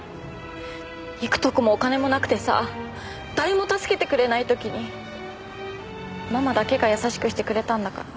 行くとこもお金もなくてさ誰も助けてくれない時にママだけが優しくしてくれたんだから。